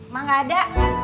ma gak ada